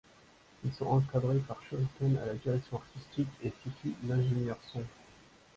Ils sont encadrés par Shurik'N à la direction artistique et Fifi, l’ingénieur-son.